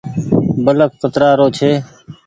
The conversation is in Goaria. بلڦ ڪترآ رو ڇي۔